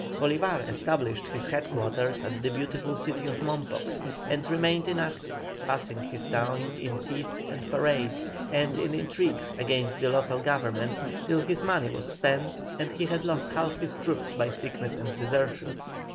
Bolívar established his head quarters at the beautiful city of Mompox and remained inactive, passing his time in feasts and parades, and in intrigues against the local government, till his money was spent and he had lost half his troops by sickness and desertion.